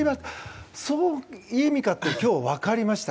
そういう意味かと今日、分かりました。